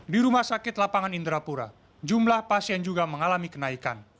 di rumah sakit lapangan indrapura jumlah pasien juga mengalami kenaikan